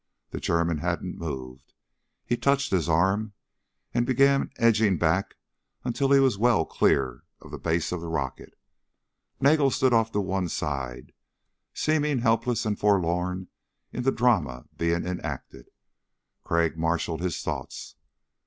The German hadn't moved. He touched his arm and began edging back until he was well clear of the base of the rocket. Nagel stood off to one side, seeming helpless and forlorn in the drama being enacted. Crag marshaled his thoughts.